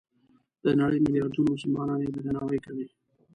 د نړۍ ملیاردونو مسلمانان یې درناوی کوي.